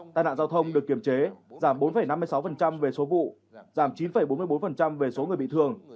tai nạn giao thông được kiểm chế giảm bốn năm mươi sáu về số vụ giảm chín bốn mươi bốn về số người bị thương